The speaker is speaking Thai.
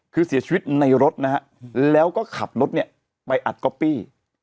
คือเสียชีวิตในรถนะฮะแล้วก็ขับรถเนี่ยไปอัดก๊อปปี้